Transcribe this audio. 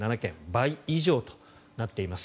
倍以上となっています。